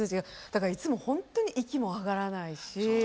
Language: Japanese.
だからいつもホントに息も上がらないし。